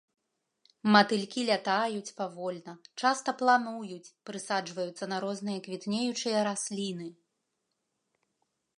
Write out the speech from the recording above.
Матылькі лятаюць павольна, часта плануюць, прысаджваюцца на розныя квітнеючыя расліны.